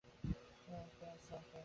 দক্ষিণ আফ্রিকার সার্কাস।